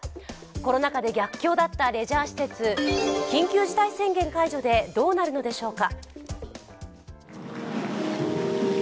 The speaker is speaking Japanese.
コロナ禍で逆境だったレジャー施設、緊急事態宣言解除でどうなるのでしょうか？